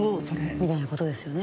みたいなことですよね？